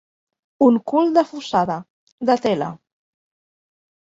Un cul de fusada, de tela.